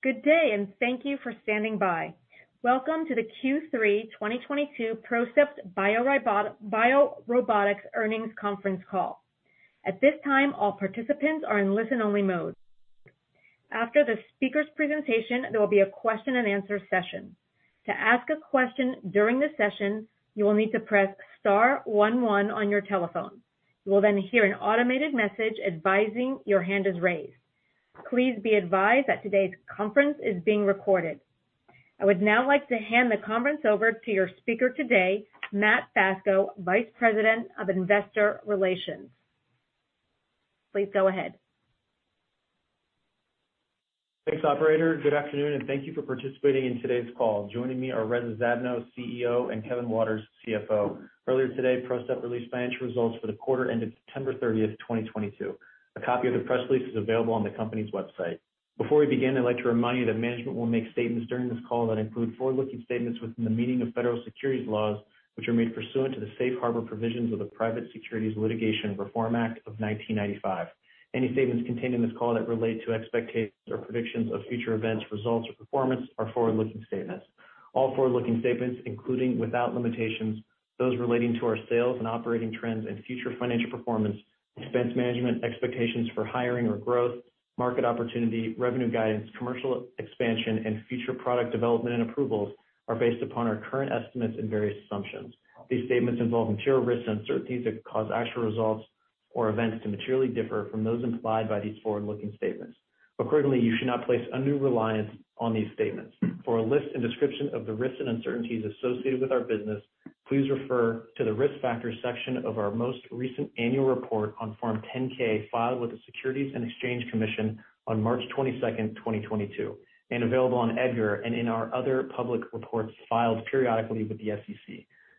Good day, and thank you for standing by. Welcome to the Q3 2022 PROCEPT BioRobotics earnings conference call. At this time, all participants are in listen-only mode. After the speaker's presentation, there will be a question-and-answer session. To ask a question during the session, you will need to press star one one on your telephone. You will then hear an automated message advising your hand is raised. Please be advised that today's conference is being recorded. I would now like to hand the conference over to your speaker today, Matt Bacso, Vice President of Investor Relations. Please go ahead. Thanks, operator. Good afternoon, and thank you for participating in today's call. Joining me are Reza Zadno, CEO, and Kevin Waters, CFO. Earlier today, PROCEPT released financial results for the quarter ending September 30th, 2022. A copy of the press release is available on the company's website. Before we begin, I'd like to remind you that management will make statements during this call that include forward-looking statements within the meaning of federal securities laws, which are made pursuant to the safe harbor provisions of the Private Securities Litigation Reform Act of 1995. Any statements contained in this call that relate to expectations or predictions of future events, results, or performance are forward-looking statements. All forward-looking statements, including without limitations, those relating to our sales and operating trends and future financial performance, expense management, expectations for hiring or growth, market opportunity, revenue guidance, commercial expansion, and future product development and approvals, are based upon our current estimates and various assumptions. These statements involve material risks and uncertainties that could cause actual results or events to materially differ from those implied by these forward-looking statements. Accordingly, you should not place undue reliance on these statements. For a list and description of the risks and uncertainties associated with our business, please refer to the Risk Factors section of our most recent annual report on Form 10-K filed with the Securities and Exchange Commission on March 22nd, 2022, and available on EDGAR and in our other public reports filed periodically with the SEC.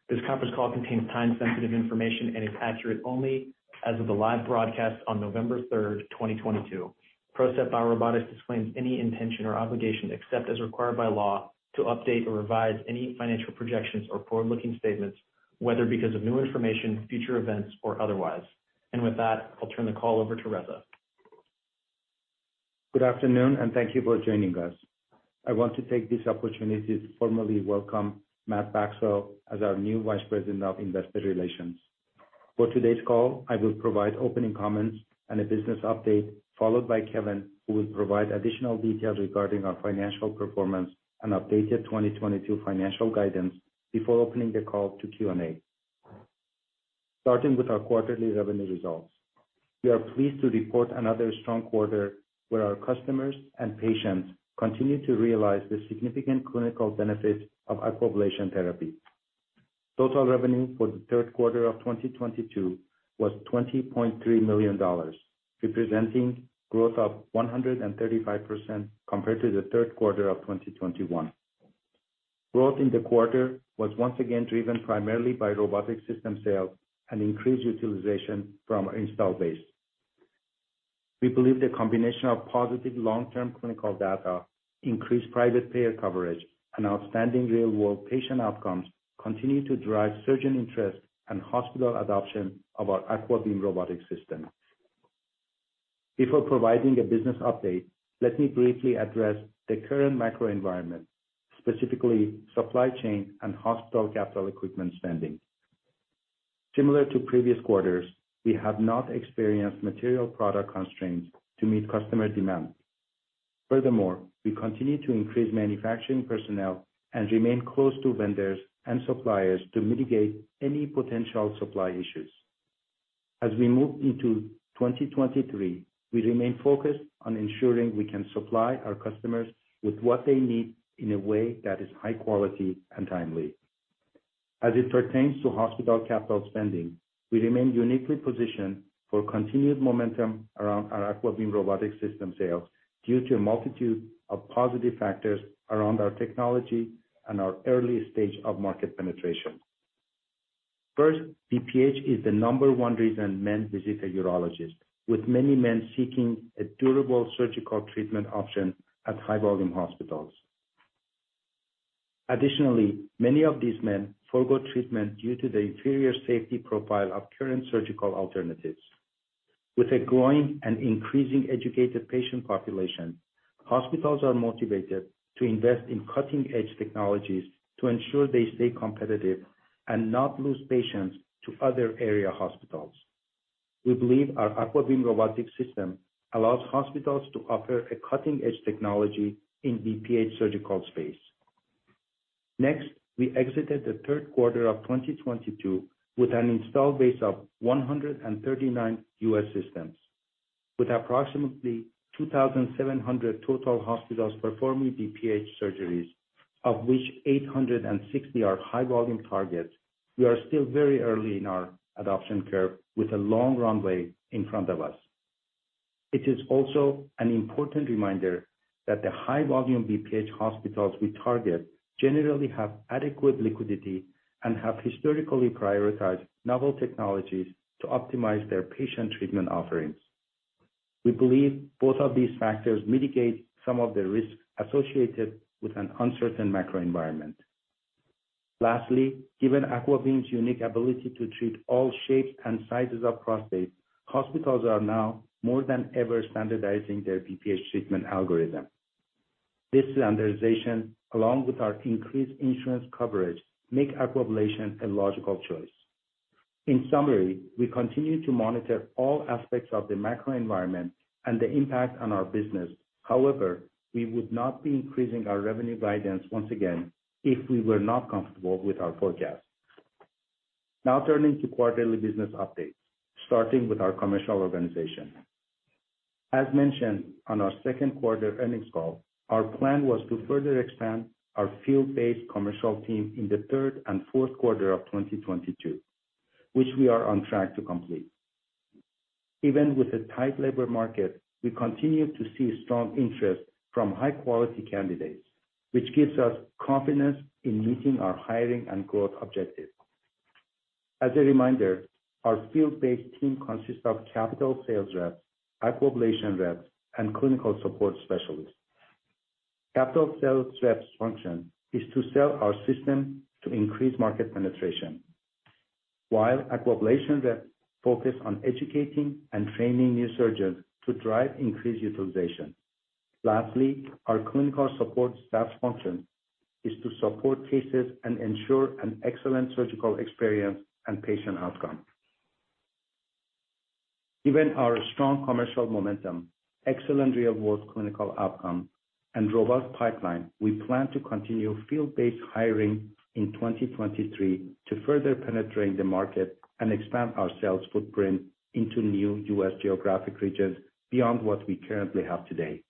This conference call contains time-sensitive information and is accurate only as of the live broadcast on November 3rd, 2022. PROCEPT BioRobotics disclaims any intention or obligation, except as required by law, to update or revise any financial projections or forward-looking statements, whether because of new information, future events, or otherwise. With that, I'll turn the call over to Reza. Good afternoon, and thank you for joining us. I want to take this opportunity to formally welcome Matt Bacso as our new Vice President of Investor Relations. For today's call, I will provide opening comments and a business update, followed by Kevin, who will provide additional details regarding our financial performance and updated 2022 financial guidance before opening the call to Q&A. Starting with our quarterly revenue results. We are pleased to report another strong quarter where our customers and patients continue to realize the significant clinical benefits of Aquablation therapy. Total revenue for the third quarter of 2022 was $20.3 million, representing growth of 135% compared to the third quarter of 2021. Growth in the quarter was once again driven primarily by robotic system sales and increased utilization from our installed base. We believe the combination of positive long-term clinical data, increased private payer coverage, and outstanding real-world patient outcomes continue to drive surgeon interest and hospital adoption of our AquaBeam Robotic System. Before providing a business update, let me briefly address the current macroenvironment, specifically supply chain and hospital capital equipment spending. Similar to previous quarters, we have not experienced material product constraints to meet customer demand. Furthermore, we continue to increase manufacturing personnel and remain close to vendors and suppliers to mitigate any potential supply issues. As we move into 2023, we remain focused on ensuring we can supply our customers with what they need in a way that is high quality and timely. As it pertains to hospital capital spending, we remain uniquely positioned for continued momentum around our AquaBeam Robotic System sales due to a multitude of positive factors around our technology and our early stage of market penetration. First, BPH is the number one reason men visit a urologist, with many men seeking a durable surgical treatment option at high-volume hospitals. Additionally, many of these men forgo treatment due to the inferior safety profile of current surgical alternatives. With a growing and increasing educated patient population, hospitals are motivated to invest in cutting-edge technologies to ensure they stay competitive and not lose patients to other area hospitals. We believe our AquaBeam Robotic System allows hospitals to offer a cutting-edge technology in BPH surgical space. Next, we exited the third quarter of 2022 with an installed base of 139 U.S. systems. With approximately 2,700 total hospitals performing BPH surgeries, of which 860 hospitals are high volume targets, we are still very early in our adoption curve with a long runway in front of us. It is also an important reminder that the high volume BPH hospitals we target generally have adequate liquidity and have historically prioritized novel technologies to optimize their patient treatment offerings. We believe both of these factors mitigate some of the risks associated with an uncertain macro environment. Lastly, given AquaBeam's unique ability to treat all shapes and sizes of prostate, hospitals are now more than ever standardizing their BPH treatment algorithm. This standardization, along with our increased insurance coverage, make Aquablation a logical choice. In summary, we continue to monitor all aspects of the macro environment and the impact on our business. However, we would not be increasing our revenue guidance once again if we were not comfortable with our forecast. Now turning to quarterly business updates, starting with our commercial organization. As mentioned on our second quarter earnings call, our plan was to further expand our field-based commercial team in the third and fourth quarter of 2022, which we are on track to complete. Even with a tight labor market, we continue to see strong interest from high-quality candidates, which gives us confidence in meeting our hiring and growth objectives. As a reminder, our field-based team consists of capital sales reps, Aquablation reps, and clinical support specialists. Capital sales reps' function is to sell our system to increase market penetration, while Aquablation reps focus on educating and training new surgeons to drive increased utilization. Lastly, our clinical support staff's function is to support cases and ensure an excellent surgical experience and patient outcome. Given our strong commercial momentum, excellent real-world clinical outcome, and robust pipeline, we plan to continue field-based hiring in 2023 to further penetrate the market and expand our sales footprint into new U.S. geographic regions beyond what we currently have today.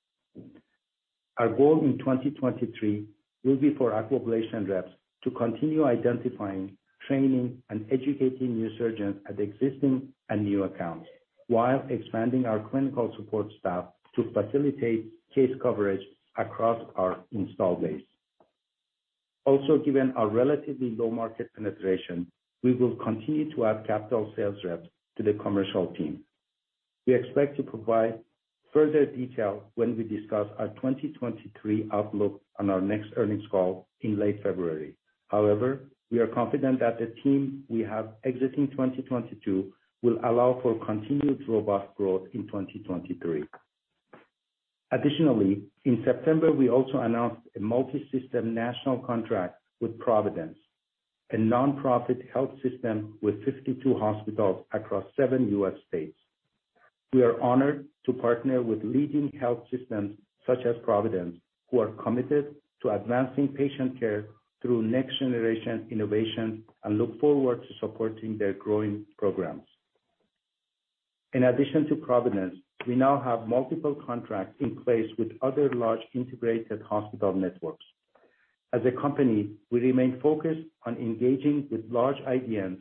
Our goal in 2023 will be for Aquablation reps to continue identifying, training, and educating new surgeons at existing and new accounts while expanding our clinical support staff to facilitate case coverage across our installed base. Also, given our relatively low market penetration, we will continue to add capital sales reps to the commercial team. We expect to provide further detail when we discuss our 2023 outlook on our next earnings call in late February. However, we are confident that the team we have exiting 2022 will allow for continued robust growth in 2023. Additionally, in September, we also announced a multi-system national contract with Providence, a nonprofit health system with 52 hospitals across seven U.S. states. We are honored to partner with leading health systems such as Providence, who are committed to advancing patient care through next-generation innovation and look forward to supporting their growing programs. In addition to Providence, we now have multiple contracts in place with other large integrated hospital networks. As a company, we remain focused on engaging with large IDNs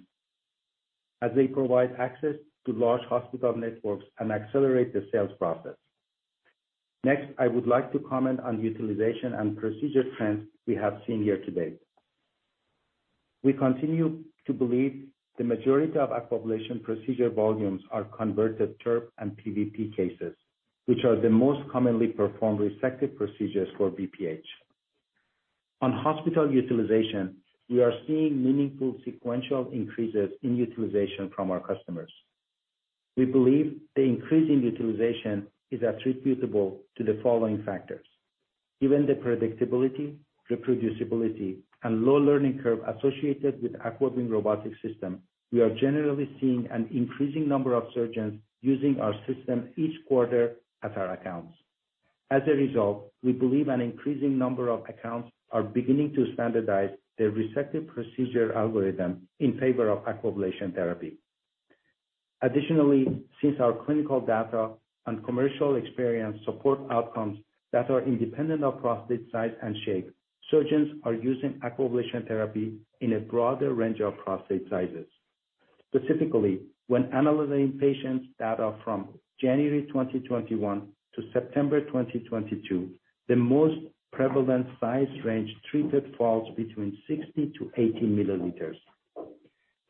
as they provide access to large hospital networks and accelerate the sales process. Next, I would like to comment on utilization and procedure trends we have seen year-to-date. We continue to believe the majority of Aquablation procedure volumes are converted TURP and PVP cases, which are the most commonly performed resective procedures for BPH. On hospital utilization, we are seeing meaningful sequential increases in utilization from our customers. We believe the increase in utilization is attributable to the following factors. Given the predictability, reproducibility, and low learning curve associated with AquaBeam Robotic System, we are generally seeing an increasing number of surgeons using our system each quarter at our accounts. As a result, we believe an increasing number of accounts are beginning to standardize their resective procedure algorithm in favor of Aquablation therapy. Additionally, since our clinical data and commercial experience support outcomes that are independent of prostate size and shape, surgeons are using Aquablation therapy in a broader range of prostate sizes. Specifically, when analyzing patients' data from January 2021 to September 2022, the most prevalent size range treated falls between 60 ml-80 ml.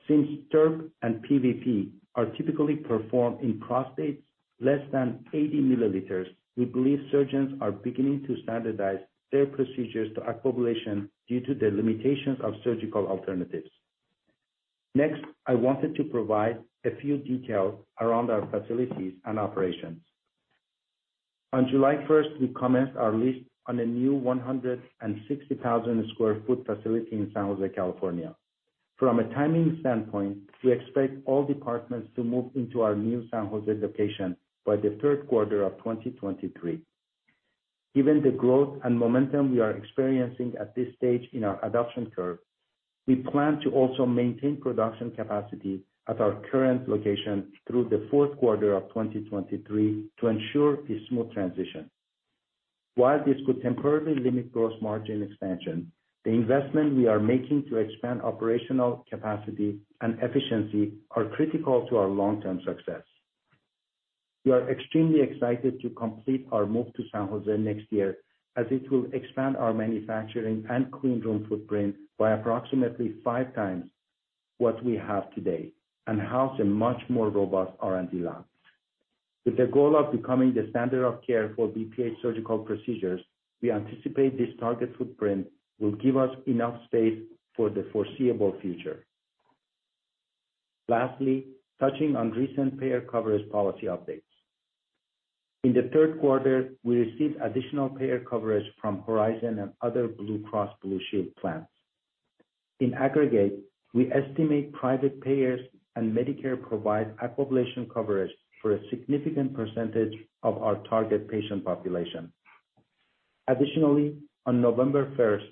Since TURP and PVP are typically performed in prostates less than 80 ml, we believe surgeons are beginning to standardize their procedures to Aquablation due to the limitations of surgical alternatives. Next, I wanted to provide a few details around our facilities and operations. On July 1st, we commenced our lease on a new 160,000 sq ft facility in San Jose, California. From a timing standpoint, we expect all departments to move into our new San Jose location by the third quarter of 2023. Given the growth and momentum we are experiencing at this stage in our adoption curve, we plan to also maintain production capacity at our current location through the fourth quarter of 2023 to ensure a smooth transition. While this could temporarily limit gross margin expansion, the investment we are making to expand operational capacity and efficiency are critical to our long-term success. We are extremely excited to complete our move to San Jose next year, as it will expand our manufacturing and clean room footprint by approximately five times what we have today and house a much more robust R&D lab. With the goal of becoming the standard of care for BPH surgical procedures, we anticipate this target footprint will give us enough space for the foreseeable future. Lastly, touching on recent payer coverage policy updates. In the third quarter, we received additional payer coverage from Horizon and other Blue Cross Blue Shield plans. In aggregate, we estimate private payers and Medicare provide Aquablation coverage for a significant percentage of our target patient population. Additionally, on November 1st,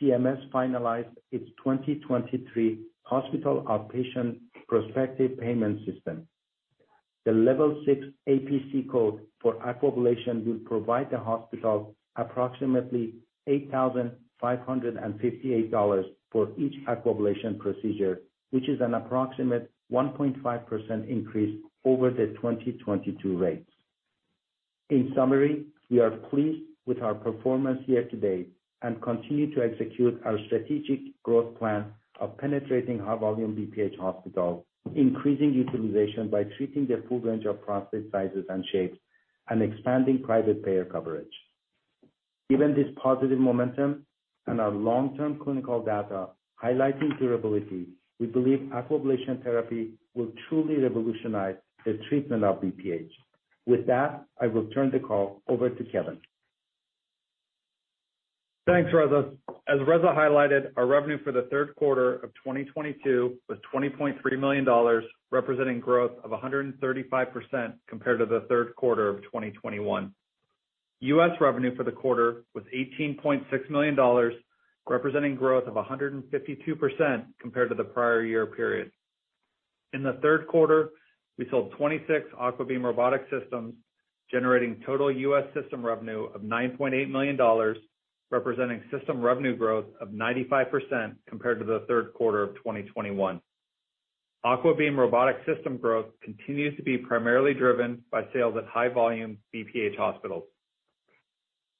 CMS finalized its 2023 Hospital Outpatient Prospective Payment System. The Level 6 APC code for Aquablation will provide the hospital approximately $8,558 for each Aquablation procedure, which is an approximate 1.5% increase over the 2022 rates. In summary, we are pleased with our performance year-to-date and continue to execute our strategic growth plan of penetrating high volume BPH hospital, increasing utilization by treating the full range of prostate sizes and shapes, and expanding private payer coverage. Given this positive momentum and our long-term clinical data highlighting durability, we believe Aquablation therapy will truly revolutionize the treatment of BPH. With that, I will turn the call over to Kevin. Thanks, Reza. As Reza highlighted, our revenue for the third quarter of 2022 was $20.3 million, representing growth of 135% compared to the third quarter of 2021. U.S. revenue for the quarter was $18.6 million, representing growth of 152% compared to the prior year period. In the third quarter, we sold 26 AquaBeam Robotic Systems, generating total U.S. system revenue of $9.8 million, representing system revenue growth of 95% compared to the third quarter of 2021. AquaBeam Robotic System growth continues to be primarily driven by sales at high volume BPH hospitals.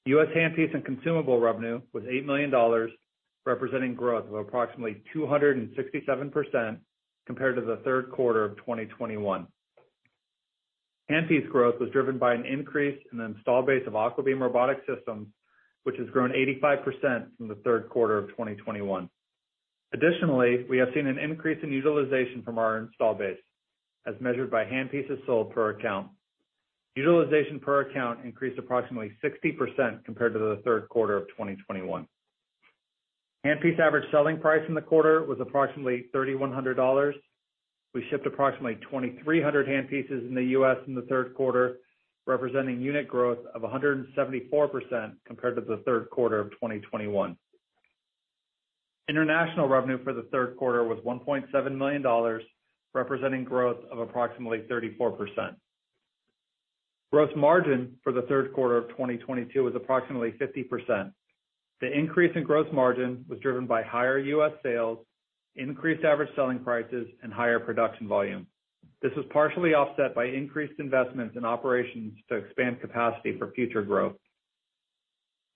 U.S. handpiece and consumable revenue was $8 million, representing growth of approximately 267% compared to the third quarter of 2021. Handpiece growth was driven by an increase in the installed base of AquaBeam Robotic Systems, which has grown 85% from the third quarter of 2021. Additionally, we have seen an increase in utilization from our installed base as measured by handpieces sold per account. Utilization per account increased approximately 60% compared to the third quarter of 2021. Handpiece average selling price in the quarter was approximately $3,100. We shipped approximately 2,300 handpieces in the U.S. in the third quarter, representing unit growth of 174% compared to the third quarter of 2021. International revenue for the third quarter was $1.7 million, representing growth of approximately 34%. Gross margin for the third quarter of 2022 was approximately 50%. The increase in gross margin was driven by higher U.S. sales, increased average selling prices and higher production volume. This was partially offset by increased investments in operations to expand capacity for future growth.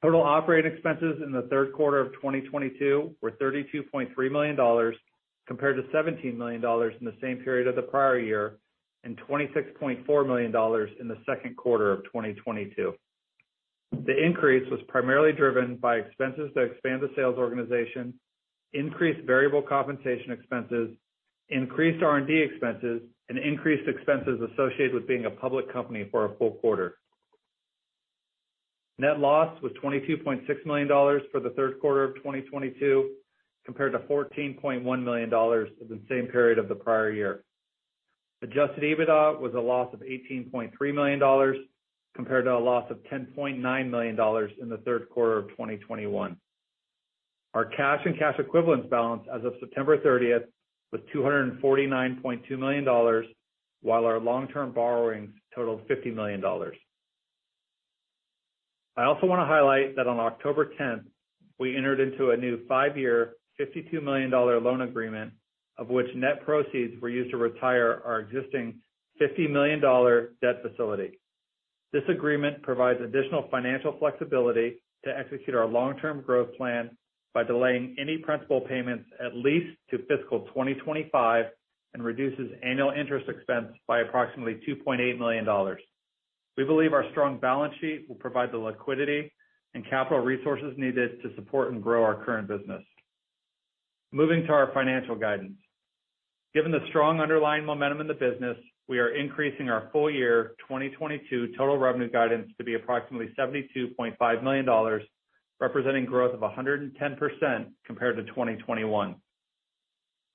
Total operating expenses in the third quarter of 2022 were $32.3 million compared to $17 million in the same period of the prior year, and $26.4 million in the second quarter of 2022. The increase was primarily driven by expenses to expand the sales organization, increased variable compensation expenses, increased R&D expenses, and increased expenses associated with being a public company for a full quarter. Net loss was $22.6 million for the third quarter of 2022 compared to $14.1 million for the same period of the prior year. Adjusted EBITDA was a loss of $18.3 million compared to a loss of $10.9 million in the third quarter of 2021. Our cash and cash equivalents balance as of September 30th was $249.2 million, while our long-term borrowings totaled $50 million. I also want to highlight that on October 10th, we entered into a new 5-year $52 million loan agreement, of which net proceeds were used to retire our existing $50 million debt facility. This agreement provides additional financial flexibility to execute our long-term growth plan by delaying any principal payments at least to fiscal 2025 and reduces annual interest expense by approximately $2.8 million. We believe our strong balance sheet will provide the liquidity and capital resources needed to support and grow our current business. Moving to our financial guidance. Given the strong underlying momentum in the business, we are increasing our full year 2022 total revenue guidance to be approximately $72.5 million, representing growth of 110% compared to 2021.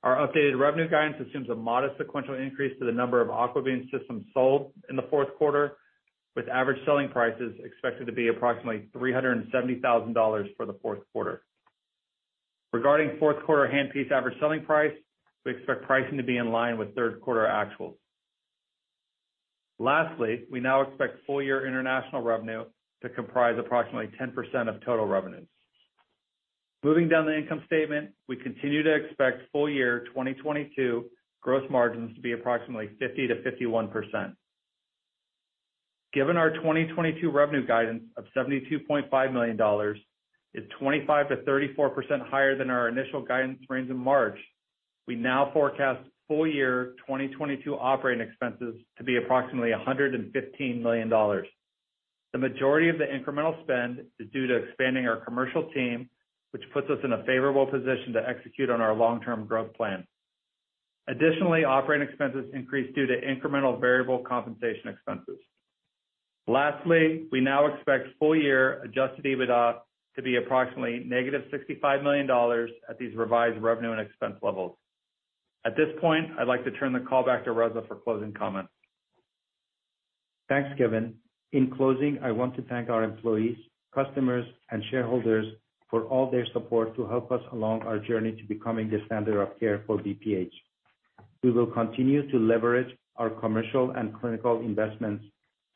Our updated revenue guidance assumes a modest sequential increase to the number of AquaBeam systems sold in the fourth quarter, with average selling prices expected to be approximately $370,000 for the fourth quarter. Regarding fourth quarter handpiece average selling price, we expect pricing to be in line with third quarter actuals. Lastly, we now expect full year international revenue to comprise approximately 10% of total revenues. Moving down the income statement, we continue to expect full-year 2022 gross margins to be approximately 50%-51%. Given our 2022 revenue guidance of $72.5 million is 25%-34% higher than our initial guidance range in March, we now forecast full-year 2022 operating expenses to be approximately $115 million. The majority of the incremental spend is due to expanding our commercial team, which puts us in a favorable position to execute on our long-term growth plan. Additionally, operating expenses increased due to incremental variable compensation expenses. Lastly, we now expect full-year adjusted EBITDA to be approximately -$65 million at these revised revenue and expense levels. At this point, I'd like to turn the call back to Reza for closing comments. Thanks, Kevin. In closing, I want to thank our employees, customers, and shareholders for all their support to help us along our journey to becoming the standard of care for BPH. We will continue to leverage our commercial and clinical investments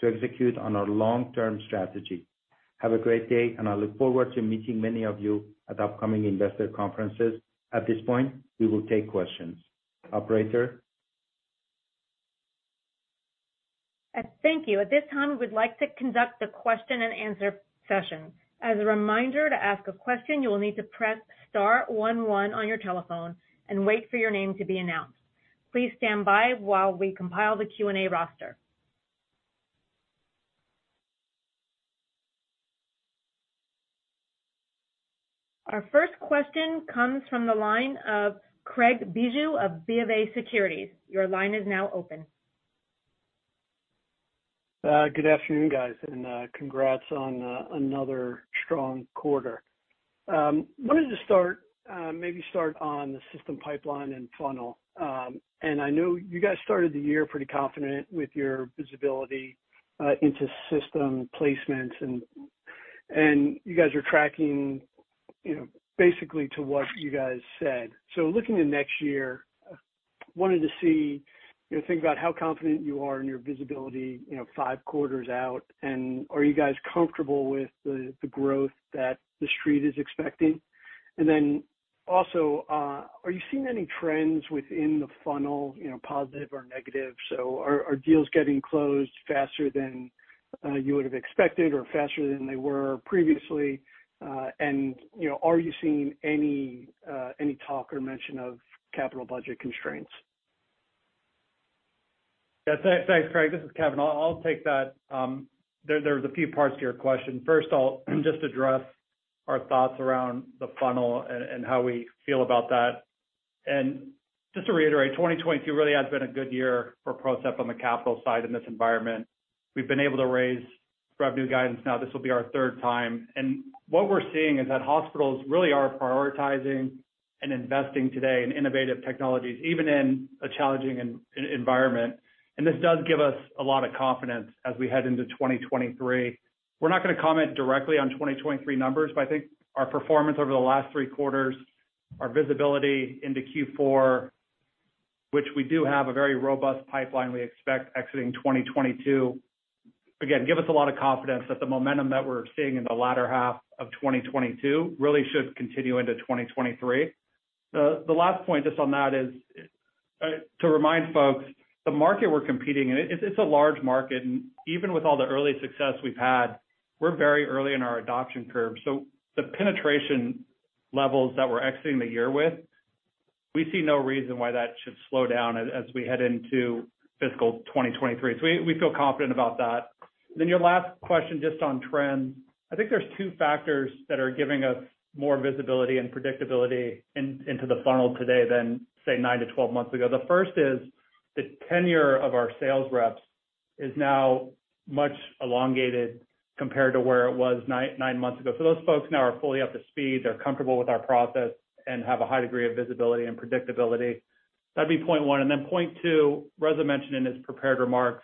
to execute on our long-term strategy. Have a great day, and I look forward to meeting many of you at upcoming investor conferences. At this point, we will take questions. Operator? Thank you. At this time, we would like to conduct the question-and-answer session. As a reminder, to ask a question, you will need to press star one one on your telephone and wait for your name to be announced. Please stand by while we compile the Q&A roster. Our first question comes from the line of Craig Bijou of BofA Securities. Your line is now open. Good afternoon, guys, and congrats on another strong quarter. Wanted to start on the system pipeline and funnel. I know you guys started the year pretty confident with your visibility into system placements, and you guys are tracking, you know, basically to what you guys said. Looking to next year, wanted to see, you know, think about how confident you are in your visibility, you know, five quarters out, and are you guys comfortable with the growth that The Street is expecting? Also, are you seeing any trends within the funnel, you know, positive or negative? Are deals getting closed faster than you would have expected or faster than they were previously? You know, are you seeing any talk or mention of capital budget constraints? Yeah. Thanks, Craig. This is Kevin. I'll take that. There's a few parts to your question. First, I'll just address our thoughts around the funnel and how we feel about that. Just to reiterate, 2022 really has been a good year for Procept on the capital side in this environment. We've been able to raise revenue guidance. Now, this will be our third time. What we're seeing is that hospitals really are prioritizing and investing today in innovative technologies, even in a challenging environment. This does give us a lot of confidence as we head into 2023. We're not gonna comment directly on 2023 numbers, but I think our performance over the last three quarters, our visibility into Q4, which we do have a very robust pipeline we expect exiting 2022, again, give us a lot of confidence that the momentum that we're seeing in the latter half of 2022 really should continue into 2023. The last point just on that is to remind folks, the market we're competing in, it's a large market. Even with all the early success we've had, we're very early in our adoption curve. So the penetration levels that we're exiting the year with, we see no reason why that should slow down as we head into fiscal 2023. So we feel confident about that. Then your last question just on trends. I think there are two factors that are giving us more visibility and predictability into the funnel today than, say, 9-12 months ago. The first is the tenure of our sales reps is now much elongated compared to where it was 9 months ago. Those folks now are fully up to speed, they're comfortable with our process, and have a high degree of visibility and predictability. That'd be point one. Then point two, Reza mentioned in his prepared remarks,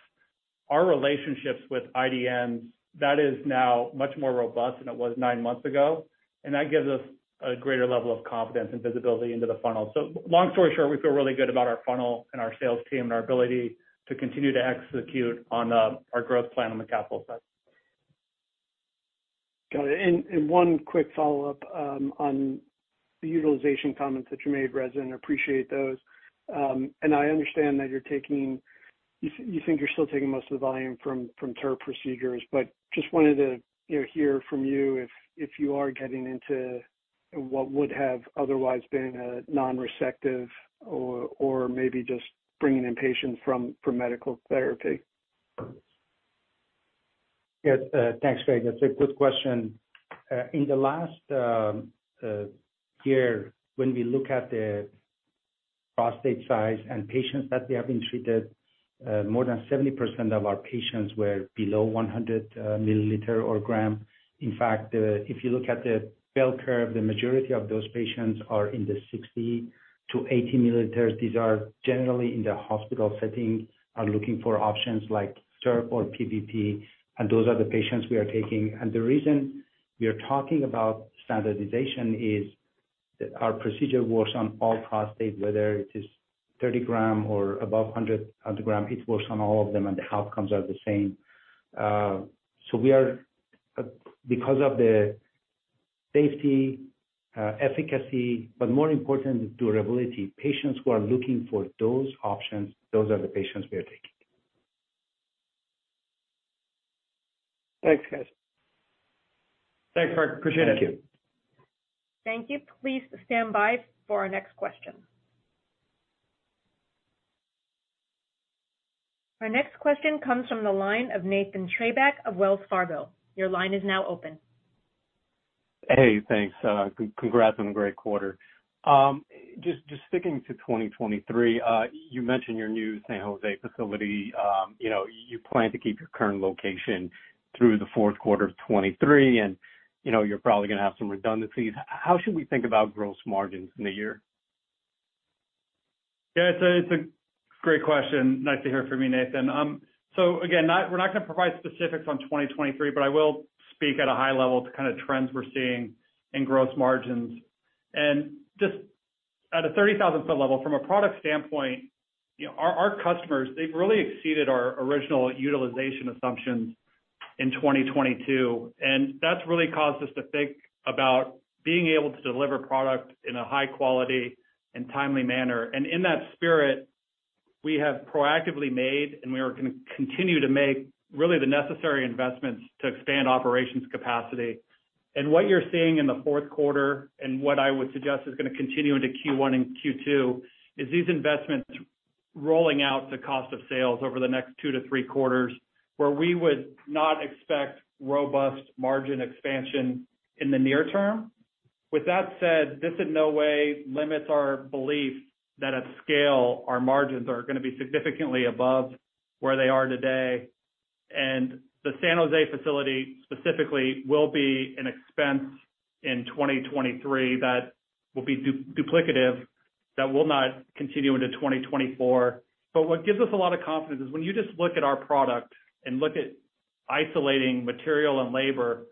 our relationships with IDNs, that is now much more robust than it was 9 months ago, and that gives us a greater level of confidence and visibility into the funnel. Long story short, we feel really good about our funnel and our sales team and our ability to continue to execute on our growth plan on the capital side. Got it. One quick follow-up on the utilization comments that you made, Reza, and appreciate those. I understand that you think you're still taking most of the volume from TURP procedures, but just wanted to, you know, hear from you if you are getting into what would have otherwise been a non-resective or maybe just bringing in patients from medical therapy. Yes. Thanks, Craig. That's a good question. In the last year, when we look at the prostate size and patients that they have been treated, more than 70% of our patients were below 100 ml or gram. In fact, if you look at the bell curve, the majority of those patients are in the 60 ml-80 ml. These are generally in the hospital setting, are looking for options like TURP or PVP, and those are the patients we are taking. The reason we are talking about standardization is our procedure works on all prostate, whether it is 30 g or above 100 g. It works on all of them, and the outcomes are the same. So we are because of the safety, efficacy, but more important, durability. Patients who are looking for those options, those are the patients we are taking. Thanks, guys. Thanks, Craig. Appreciate it. Thank you. Thank you. Please stand by for our next question. Our next question comes from the line of Nathan Treybeck of Wells Fargo. Your line is now open. Hey, thanks. Congrats on a great quarter. Just sticking to 2023, you mentioned your new San Jose facility. You know, you plan to keep your current location through the fourth quarter of 2023, and, you know, you're probably gonna have some redundancies. How should we think about gross margins in a year? It's a great question. Nice to hear from you, Nathan. So again, we're not gonna provide specifics on 2023, but I will speak at a high level to kind of trends we're seeing in gross margins. Just at a 30,000-foot level from a product standpoint, you know, our customers, they've really exceeded our original utilization assumptions in 2022, and that's really caused us to think about being able to deliver product in a high quality and timely manner. In that spirit, we have proactively made, and we are gonna continue to make really the necessary investments to expand operations capacity. What you're seeing in the fourth quarter, and what I would suggest is gonna continue into Q1 and Q2, is these investments rolling out to cost of sales over the next two to 3 three quarters where we would not expect robust margin expansion in the near term. With that said, this in no way limits our belief that at scale our margins are gonna be significantly above where they are today. The San Jose facility specifically will be an expense in 2023 that will be duplicative, that will not continue into 2024. What gives us a lot of confidence is when you just look at our product and look at isolating material and labor,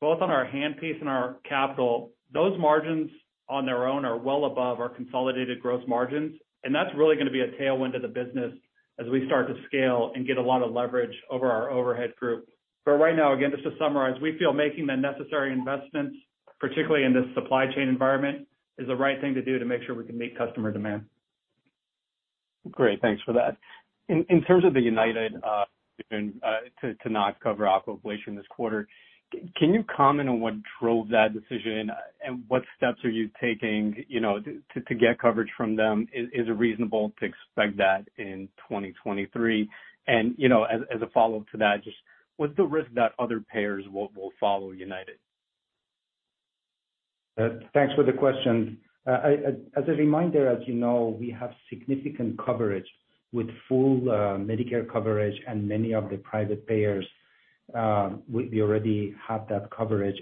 both on our handpiece and our capital, those margins on their own are well above our consolidated gross margins. That's really gonna be a tailwind to the business as we start to scale and get a lot of leverage over our overhead group. Right now, again, just to summarize, we feel making the necessary investments, particularly in this supply chain environment, is the right thing to do to make sure we can meet customer demand. Great. Thanks for that. In terms of the United to not cover Aquablation this quarter, can you comment on what drove that decision? What steps are you taking, you know, to get coverage from them? Is it reasonable to expect that in 2023? You know, as a follow-up to that, just what's the risk that other payers will follow United? Thanks for the question. As a reminder, as you know, we have significant coverage. With full Medicare coverage and many of the private payers, we already have that coverage.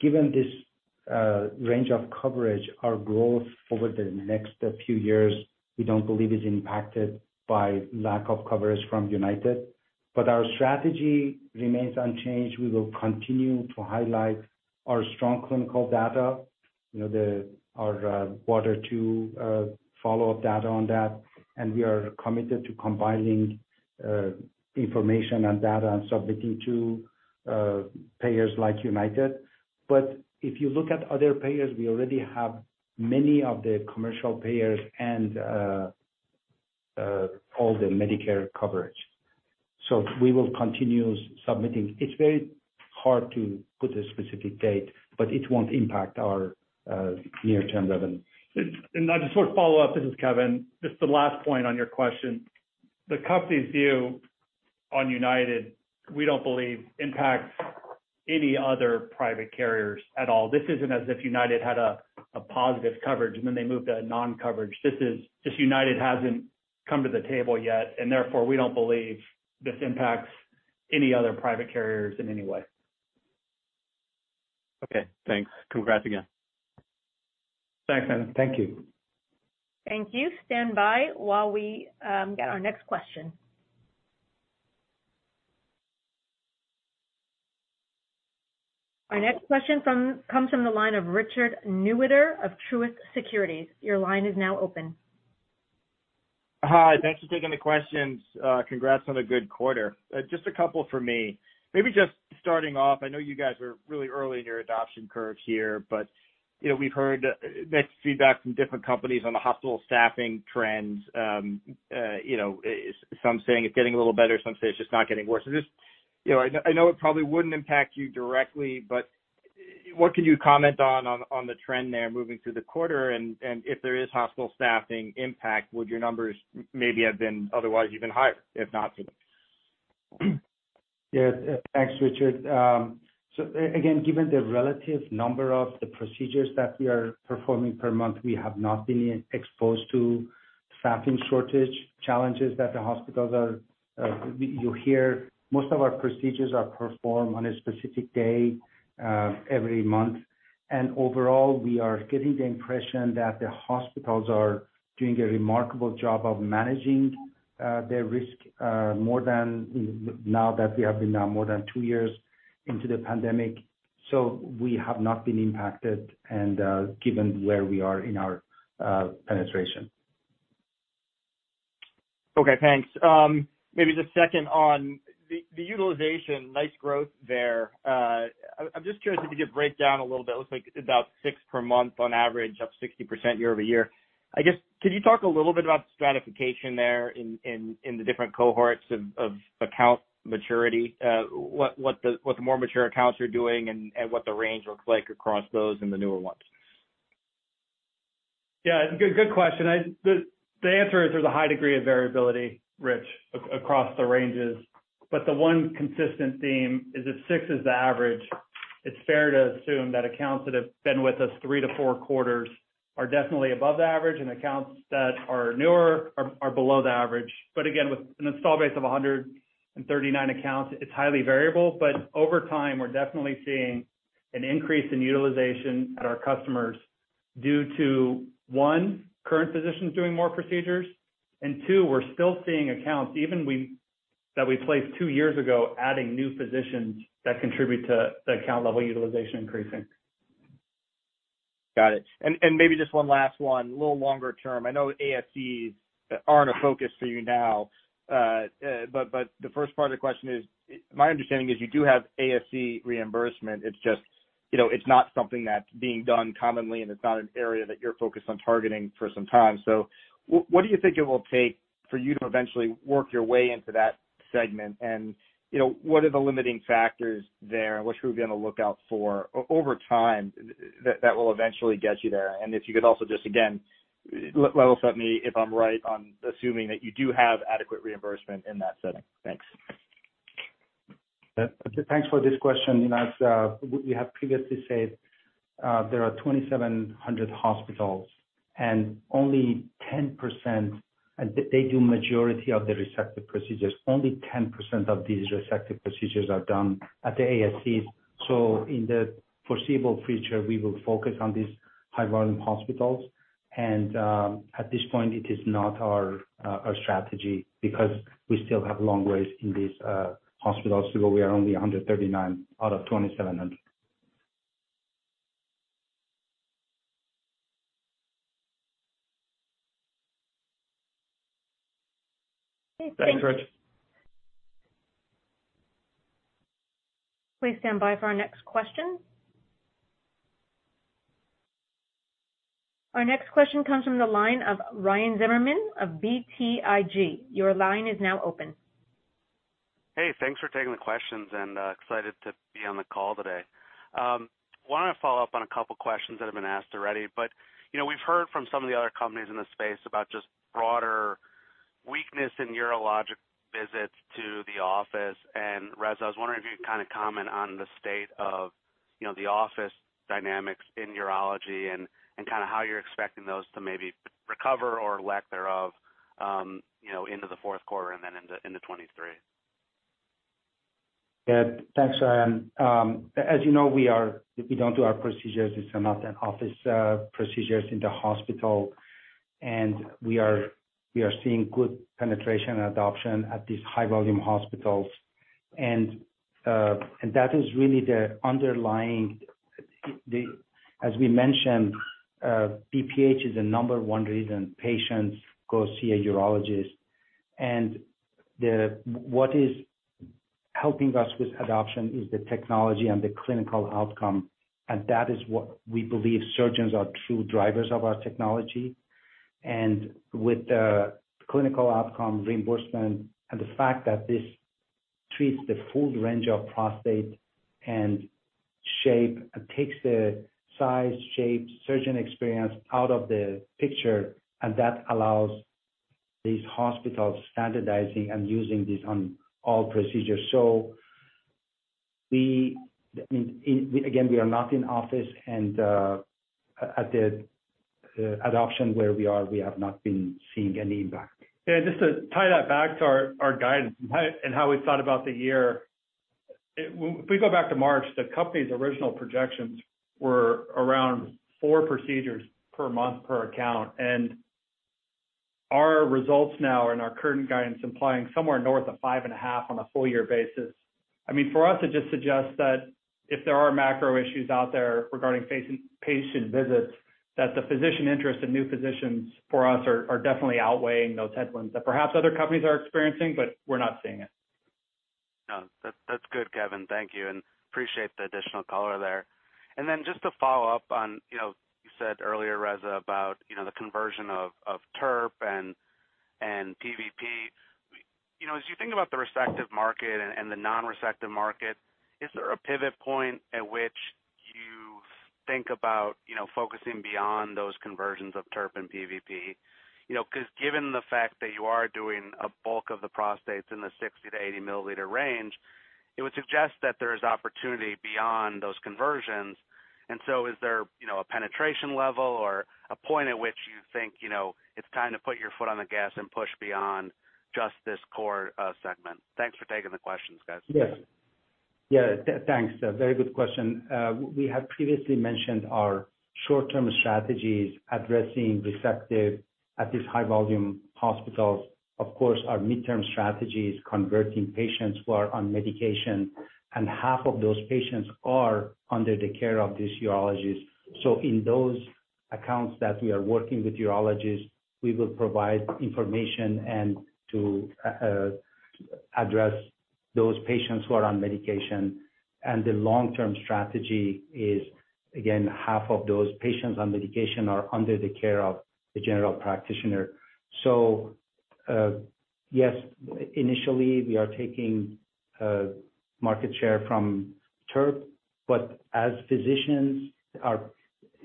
Given this range of coverage, our growth over the next few years, we don't believe is impacted by lack of coverage from United. Our strategy remains unchanged. We will continue to highlight our strong clinical data, you know, our quarter two follow-up data on that, and we are committed to compiling information and data and submitting to payers like United. If you look at other payers, we already have many of the commercial payers and all the Medicare coverage. We will continue submitting. It's very hard to put a specific date, but it won't impact our near-term revenue. Just sort of follow-up. This is Kevin. Just the last point on your question. The company's view on United, we don't believe impacts any other private carriers at all. This isn't as if United had a positive coverage and then they moved to a non-coverage. This is just United hasn't come to the table yet, and therefore we don't believe this impacts any other private carriers in any way. Okay, thanks. Congrats again. Thanks, Nathan. Thank you. Thank you. Stand by while we get our next question. Our next question comes from the line of Richard Newitter of Truist Securities. Your line is now open. Hi. Thanks for taking the questions. Congrats on a good quarter. Just a couple from me. Maybe just starting off, I know you guys are really early in your adoption curve here, but, you know, we've heard mixed feedback from different companies on the hospital staffing trends. You know, some saying it's getting a little better, some say it's just not getting worse. So just, you know, I know it probably wouldn't impact you directly, but what can you comment on the trend there moving through the quarter? If there is hospital staffing impact, would your numbers maybe have been otherwise even higher, if not for them? Yeah. Thanks, Richard. Again, given the relative number of the procedures that we are performing per month, we have not been exposed to staffing shortage challenges that the hospitals are, you hear. Most of our procedures are performed on a specific day, every month. Overall, we are getting the impression that the hospitals are doing a remarkable job of managing their risk, more than now that we have been now more than 2 years into the pandemic. We have not been impacted and, given where we are in our penetration. Okay, thanks. Maybe just second on the utilization, nice growth there. I'm just curious if you could break down a little bit. It looks like about 6 accounts per month on average, up 60% year-over-year. I guess, could you talk a little bit about stratification there in the different cohorts of account maturity. What the more mature accounts are doing and what the range looks like across those and the newer ones? Yeah, good question. The answer is there's a high degree of variability, Rich, across the ranges. The one consistent theme is if 6 accounts is the average, it's fair to assume that accounts that have been with us three to four quarters are definitely above the average, and accounts that are newer are below the average. Again, with an install base of 139 accounts, it's highly variable. Over time, we're definitely seeing an increase in utilization at our customers due to, one, current physicians doing more procedures, and two, we're still seeing accounts that we placed 2 years ago, adding new physicians that contribute to the account level utilization increasing. Got it. Maybe just one last one, a little longer term. I know ASCs aren't a focus for you now. But the first part of the question is, my understanding is you do have ASC reimbursement. It's just, you know, it's not something that's being done commonly, and it's not an area that you're focused on targeting for some time. What do you think it will take for you to eventually work your way into that segment? You know, what are the limiting factors there? What should we be on the lookout for over time that will eventually get you there? If you could also just again level set me if I'm right on assuming that you do have adequate reimbursement in that setting. Thanks. Yeah, thanks for this question. As we have previously said, there are 2,700 hospitals and only 10%. They do majority of the resective procedures. Only 10% of these resective procedures are done at the ASCs. In the foreseeable future, we will focus on these high volume hospitals. At this point, it is not our strategy because we still have long ways in these hospitals to go. We are only 139 out of 2,700. Okay, thanks. Thanks, Rich. Please stand by for our next question. Our next question comes from the line of Ryan Zimmerman of BTIG. Your line is now open. Hey, thanks for taking the questions, and excited to be on the call today. Wanted to follow up on a couple questions that have been asked already, but you know, we've heard from some of the other companies in this space about just broader weakness in urologic visits to the office. Reza, I was wondering if you could kind of comment on the state of, you know, the office dynamics in urology and kind of how you're expecting those to maybe recover or lack thereof into the fourth quarter and then into 2023. Yeah. Thanks, Ryan. As you know, we don't do our procedures. These are not office procedures in the hospital, and we are seeing good penetration and adoption at these high volume hospitals. That is really the underlying as we mentioned, BPH is the number one reason patients go see a urologist. What is helping us with adoption is the technology and the clinical outcome, and that is what we believe surgeons are true drivers of our technology. With the clinical outcome reimbursement and the fact that this treats the full range of prostate and shape, takes the size, shape, surgeon experience out of the picture, and that allows these hospitals standardizing and using this on all procedures. I mean, again, we are not in office. At the adoption where we are, we have not been seeing any impact. Yeah, just to tie that back to our guidance and how we thought about the year. When we go back to March, the company's original projections were around four procedures per month per account. Our results now and our current guidance implying somewhere north of 5.5 procedures on a full year basis. I mean, for us, it just suggests that if there are macro issues out there regarding patient visits, that the physician interest in new physicians for us are definitely outweighing those headwinds that perhaps other companies are experiencing, but we're not seeing it. No. That's good, Kevin. Thank you, and appreciate the additional color there. Then just to follow up on, you know, you said earlier, Reza, about, you know, the conversion of TURP and PVP. You know, as you think about the resective market and the non-resective market, is there a pivot point at which you think about, you know, focusing beyond those conversions of TURP and PVP? You know, 'cause given the fact that you are doing a bulk of the prostates in the 60 ml-80 ml range, it would suggest that there's opportunity beyond those conversions. Is there, you know, a penetration level or a point at which you think, you know, it's time to put your foot on the gas and push beyond just this core segment? Thanks for taking the questions, guys. Yes. Yeah. Thanks. A very good question. We have previously mentioned our short-term strategies addressing resective at these high volume hospitals. Of course, our midterm strategy is converting patients who are on medication, and half of those patients are under the care of these urologists. In those accounts that we are working with urologists, we will provide information and to address those patients who are on medication. The long-term strategy is, again, half of those patients on medication are under the care of the general practitioner. Yes, initially we are taking market share from TURP, but as physicians are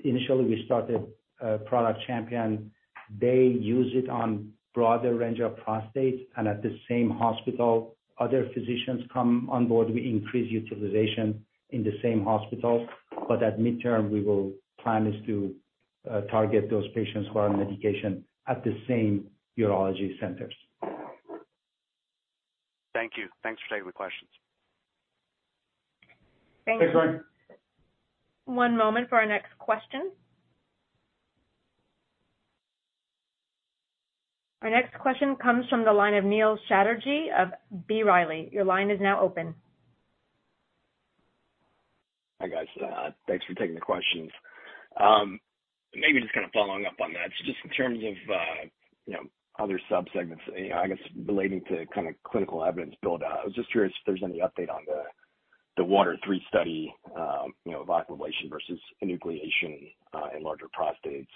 initially, we started a product champion. They use it on broader range of prostates and at the same hospital, other physicians come on board, we increase utilization in the same hospital, but at midterm, our plan is to target those patients who are on medication at the same urology centers. Thank you. Thanks for taking the questions. Thanks. Next one. One moment for our next question. Our next question comes from the line of Neil Chatterji of B. Riley. Your line is now open. Hi, guys. Thanks for taking the questions. Maybe just kind of following up on that. Just in terms of, you know, other subsegments, you know, I guess relating to kind of clinical evidence build out. I was just curious if there's any update on the WATER III study, you know, of Aquablation versus enucleation in larger prostates.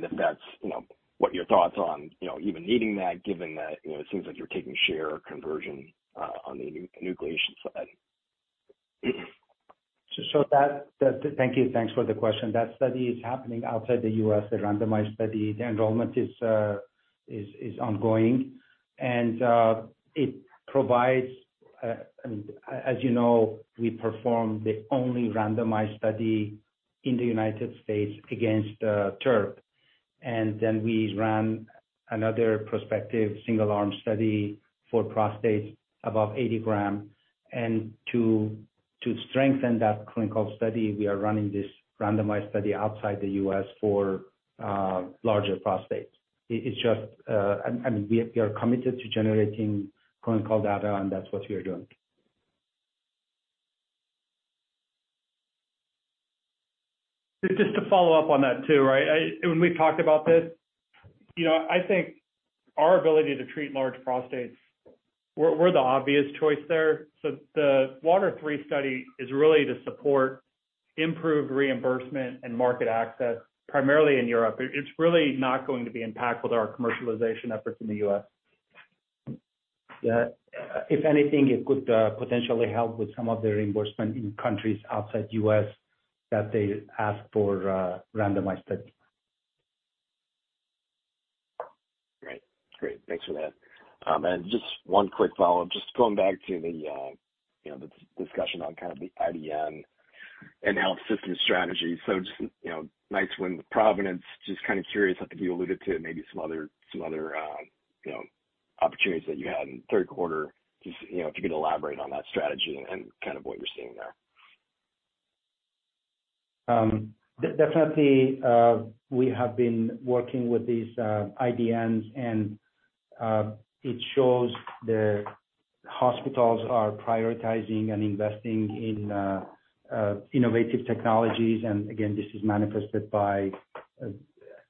If that's, you know, what your thoughts on, you know, even needing that given that, you know, it seems like you're taking share conversion on the enucleation side. Thank you. Thanks for the question. That study is happening outside the U.S., the randomized study. The enrollment is ongoing. It provides, as you know, we perform the only randomized study in the United States against TURP. Then we ran another prospective single-arm study for prostates above 80 g. To strengthen that clinical study, we are running this randomized study outside the U.S. for larger prostates. It's just, I mean, we are committed to generating clinical data, and that's what we are doing. Just to follow up on that too, right? When we talked about this, you know, I think our ability to treat large prostates, we're the obvious choice there. The WATER III study is really to support improved reimbursement and market access, primarily in Europe. It's really not going to be impactful to our commercialization efforts in the U.S. Yeah. If anything, it could potentially help with some of the reimbursement in countries outside U.S. that they ask for a randomized study. Great. Thanks for that. Just one quick follow-up. Just going back to the discussion on kind of the IDN and health system strategy. Just nice win with Providence. Just kind of curious, I think you alluded to maybe some other opportunities that you had in third quarter, if you could elaborate on that strategy and kind of what you're seeing there. Definitely, we have been working with these IDNs, and it shows the hospitals are prioritizing and investing in innovative technologies. Again, this is manifested by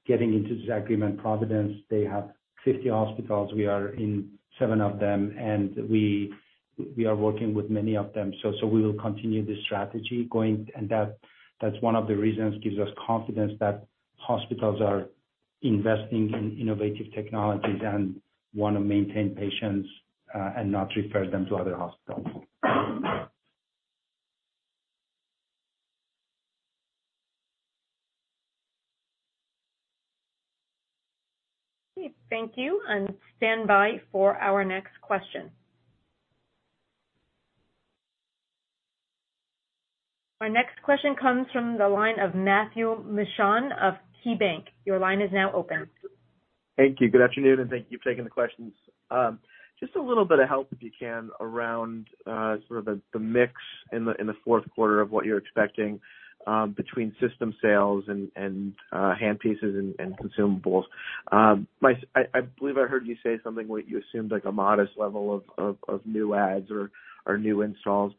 getting into this agreement, Providence. They have 50 hospitals. We are in seven of them, and we are working with many of them. We will continue this strategy going. That's one of the reasons gives us confidence that hospitals are investing in innovative technologies and wanna maintain patients and not refer them to other hospitals. Okay, thank you, and stand by for our next question. Our next question comes from the line of Matthew Mishan of KeyBanc. Your line is now open. Thank you. Good afternoon, and thank you for taking the questions. Just a little bit of help, if you can, around sort of the mix in the fourth quarter of what you're expecting between system sales and hand pieces and consumables. I believe I heard you say something what you assumed like a modest level of new adds or new installs.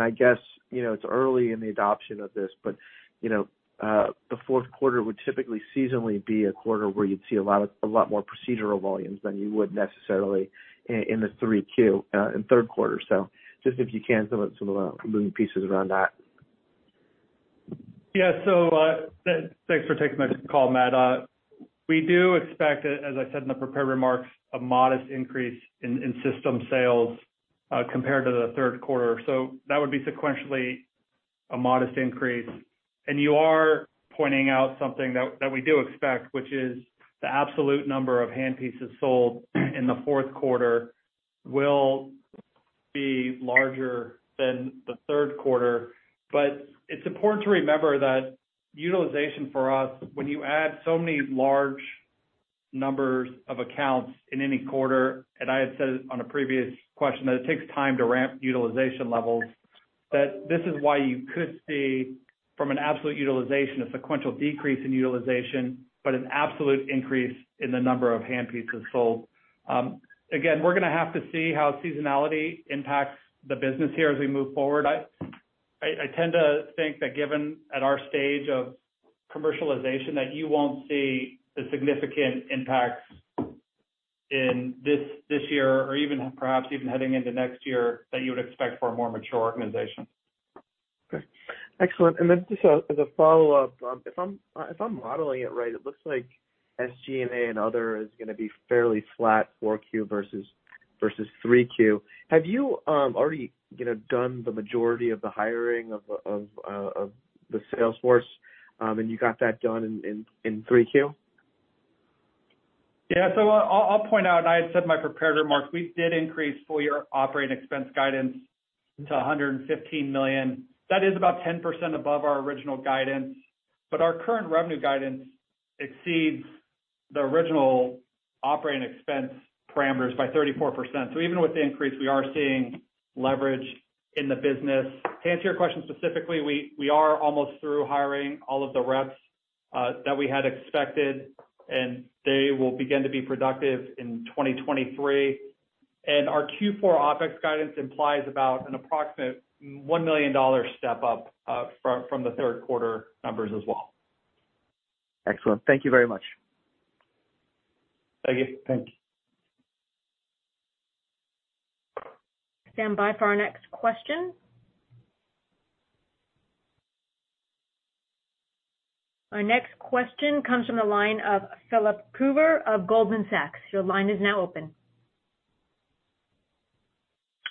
I guess, you know, it's early in the adoption of this, but you know the fourth quarter would typically seasonally be a quarter where you'd see a lot more procedural volumes than you would necessarily in the third quarter. Just if you can, some of the moving pieces around that. Thanks for taking my call, Matt. We do expect, as I said in the prepared remarks, a modest increase in system sales, compared to the third quarter. That would be sequentially a modest increase. You are pointing out something that we do expect, which is the absolute number of handpieces sold in the fourth quarter will be larger than the third quarter. It's important to remember that utilization for us, when you add so many large numbers of accounts in any quarter, and I had said it on a previous question, that it takes time to ramp utilization levels, that this is why you could see from an absolute utilization, a sequential decrease in utilization, but an absolute increase in the number of handpieces sold. Again, we're gonna have to see how seasonality impacts the business here as we move forward. I tend to think that given at our stage of commercialization, that you won't see the significant impacts in this year or even perhaps heading into next year that you would expect for a more mature organization. Okay. Excellent. Just as a follow-up, if I'm modeling it right, it looks like SG&A and other is gonna be fairly flat 4Q versus 3Q. Have you already, you know, done the majority of the hiring of the sales force, and you got that done in 3Q? Yeah. I'll point out, and I had said in my prepared remarks, we did increase full year operating expense guidance to $115 million. That is about 10% above our original guidance. Our current revenue guidance exceeds the original operating expense parameters by 34%. Even with the increase, we are seeing leverage in the business. To answer your question specifically, we are almost through hiring all of the reps that we had expected, and they will begin to be productive in 2023. Our Q4 OpEx guidance implies about an approximate $1 million step up from the third quarter numbers as well. Excellent. Thank you very much. Thank you. Thank you. Stand by for our next question. Our next question comes from the line of Philip Coover of Goldman Sachs. Your line is now open.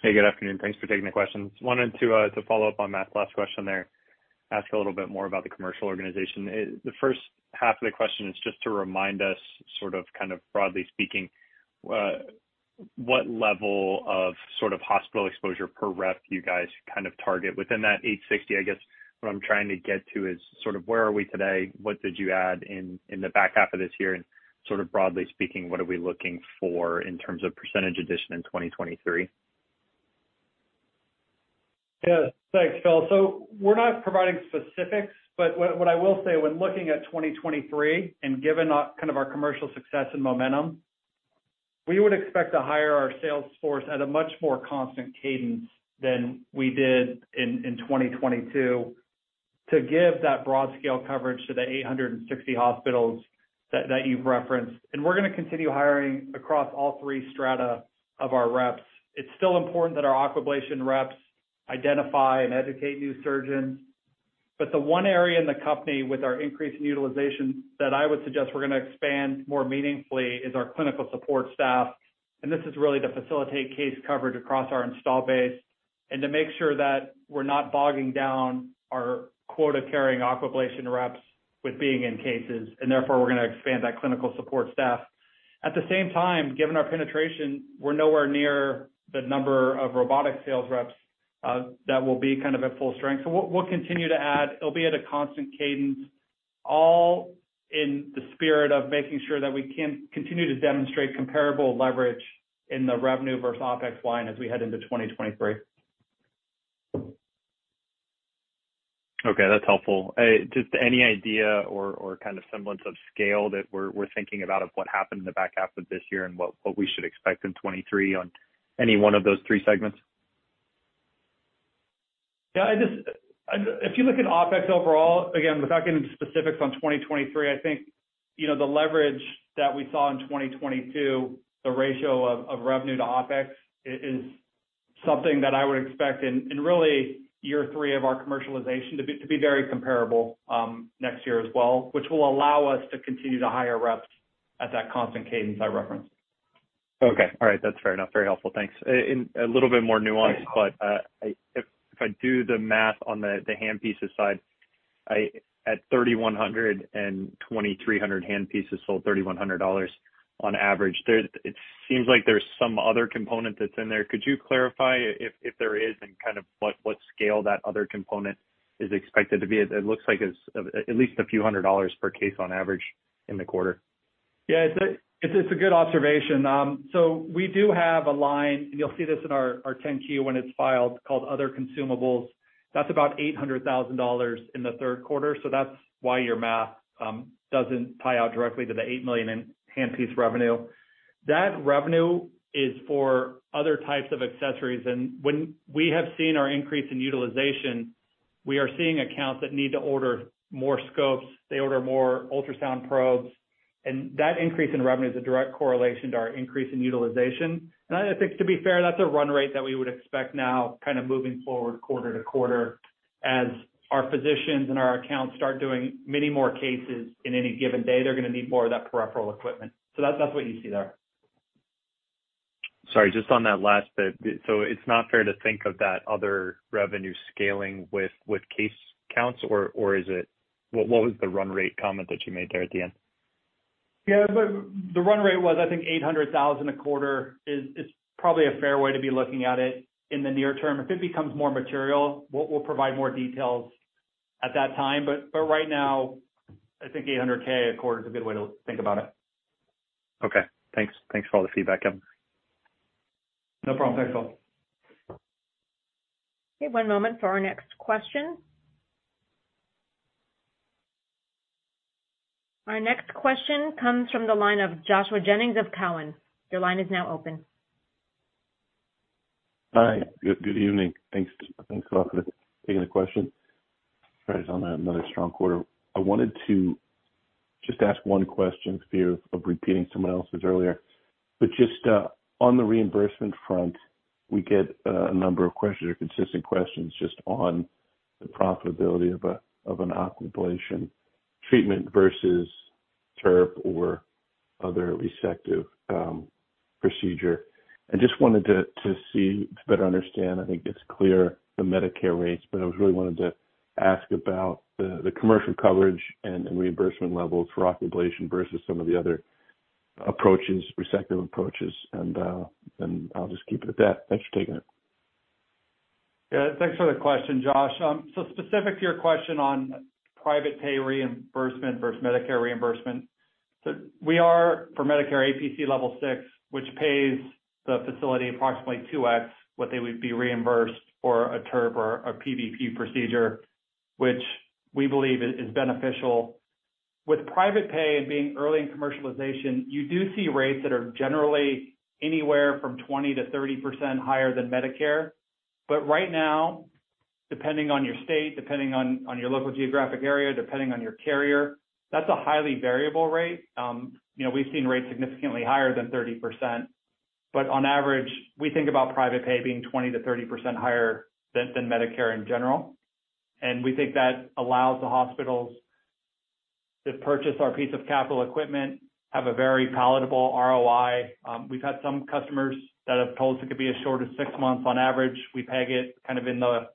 Hey, good afternoon. Thanks for taking the questions. Wanted to follow up on Matt's last question there, ask a little bit more about the commercial organization. The first half of the question is just to remind us sort of, kind of broadly speaking, what level of sort of hospital exposure per rep you guys kind of target within that 860 hospitals. I guess what I'm trying to get to is sort of where are we today? What did you add in the back half of this year? Sort of broadly speaking, what are we looking for in terms of percentage addition in 2023? Yeah. Thanks, Phil. We're not providing specifics, but what I will say, when looking at 2023, and given our kind of our commercial success and momentum, we would expect to hire our sales force at a much more constant cadence than we did in 2022 to give that broad scale coverage to the 860 hospitals that you've referenced. We're gonna continue hiring across all three strata of our reps. It's still important that our Aquablation reps identify and educate new surgeons. The one area in the company with our increase in utilization that I would suggest we're gonna expand more meaningfully is our clinical support staff. This is really to facilitate case coverage across our install base and to make sure that we're not bogging down our quota-carrying Aquablation reps with being in cases, and therefore, we're gonna expand that clinical support staff. At the same time, given our penetration, we're nowhere near the number of robotic sales reps that will be kind of at full strength. We'll continue to add. It'll be at a constant cadence, all in the spirit of making sure that we can continue to demonstrate comparable leverage in the revenue versus OpEx line as we head into 2023. Okay. That's helpful. Just any idea or kind of semblance of scale that we're thinking about of what happened in the back half of this year and what we should expect in 2023 on any one of those three segments? Yeah, if you look at OpEx overall, again, without getting into specifics on 2023, I think, you know, the leverage that we saw in 2022, the ratio of revenue to OpEx is something that I would expect in really year three of our commercialization to be very comparable next year as well, which will allow us to continue to hire reps at that constant cadence I referenced. Okay. All right. That's fair enough. Very helpful. Thanks. A little bit more nuanced, but if I do the math on the handpieces side, at $3,100 and 2,300 handpieces sold $3,100 on average, it seems like there's some other component that's in there. Could you clarify if there is, and kind of what scale that other component is expected to be? It looks like it's at least a few hundred dollars per case on average in the quarter. Yeah. It's a good observation. So we do have a line, and you'll see this in our 10-Q when it's filed, called other consumables. That's about $800,000 in the third quarter, so that's why your math doesn't tie out directly to the $8 million in handpiece revenue. That revenue is for other types of accessories. When we have seen our increase in utilization, we are seeing accounts that need to order more scopes. They order more ultrasound probes. That increase in revenue is a direct correlation to our increase in utilization. I think to be fair, that's a run rate that we would expect now kind of moving forward quarter to quarter. As our physicians and our accounts start doing many more cases in any given day, they're gonna need more of that peripheral equipment. That's what you see there. Sorry, just on that last bit. It's not fair to think of that other revenue scaling with case counts or is it? What was the run rate comment that you made there at the end? Yeah. The run rate was, I think, $800,000 a quarter is probably a fair way to be looking at it in the near term. If it becomes more material, we'll provide more details at that time. Right now, I think $800,000. A quarter is a good way to think about it. Okay. Thanks. Thanks for all the feedback, Kevin. No problem. Thanks, Phil. Okay. One moment for our next question. Our next question comes from the line of Joshua Jennings of Cowen. Your line is now open. Hi, good evening. Thanks a lot for taking the question. Congrats on another strong quarter. I wanted to just ask one question for fear of repeating someone else's earlier. Just on the reimbursement front, we get a number of questions or consistent questions just on the profitability of an Aquablation treatment versus TURP or other resective procedure. I just wanted to see to better understand, I think it's clear the Medicare rates, but I really wanted to ask about the commercial coverage and reimbursement levels for Aquablation versus some of the other approaches, resective approaches. I'll just keep it at that. Thanks for taking it. Yeah. Thanks for the question, Josh. Specific to your question on private pay reimbursement versus Medicare reimbursement. We are for Medicare APC Level 6, which pays the facility approximately 2x what they would be reimbursed for a TURP or a PVP procedure, which we believe is beneficial. With private pay and being early in commercialization, you do see rates that are generally anywhere from 20%-30% higher than Medicare. Right now, depending on your state, depending on your local geographic area, depending on your carrier, that's a highly variable rate. You know, we've seen rates significantly higher than 30%. On average, we think about private pay being 20%-30% higher than Medicare in general. We think that allows the hospitals to purchase our piece of capital equipment, have a very palatable ROI. We've had some customers that have told us it could be as short as six months on average. We peg it kind of in the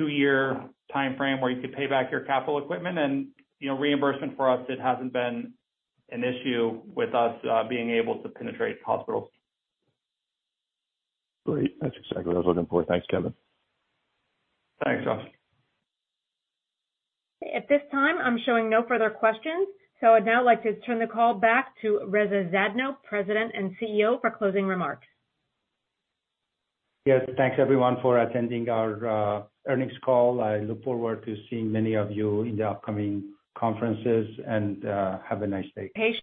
2-year timeframe where you could pay back your capital equipment and, you know, reimbursement for us, it hasn't been an issue with us, being able to penetrate hospitals. Great. That's exactly what I was looking for. Thanks, Kevin. Thanks, Josh. At this time, I'm showing no further questions, so I'd now like to turn the call back to Reza Zadno, President and CEO, for closing remarks. Yes. Thanks everyone for attending our earnings call. I look forward to seeing many of you in the upcoming conferences, and have a nice day. Thank you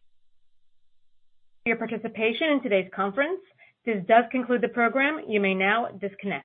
for your participation in today's conference. This does conclude the program. You may now disconnect.